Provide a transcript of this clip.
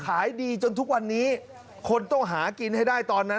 ขายดีจนทุกวันนี้คนต้องหากินให้ได้ตอนนั้น